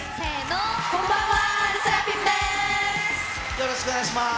よろしくお願いします。